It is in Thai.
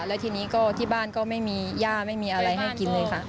แล้วทีนี้ก็ที่บ้านก็ไม่มีย่าไม่มีอะไรให้กินเลยค่ะ